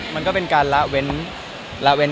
มันก็เป็นการละเว้น